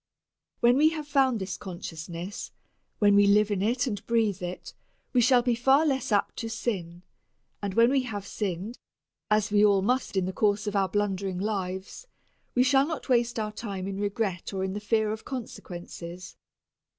When we have found this consciousness when we live it and breathe it, we shall be far less apt to sin, and when we have sinned, as we all must in the course of our blundering lives, we shall not waste our time in regret or in the fear of consequences.